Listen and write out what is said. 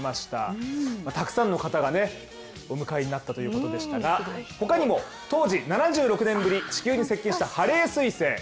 たくさんの方がお迎えになったということでしたが、他にも、当時７６年ぶり地球に接近したハレーすい星。